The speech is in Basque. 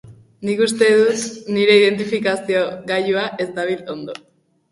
Nik uste, nire identifikazio gailua ez dabil ondo.